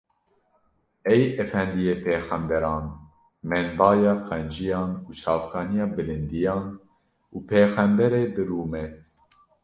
Ey efendiyê pêxemberan, menbaya qenciyan û çavkaniya bilindiyan û pêxemberê bi rûmet!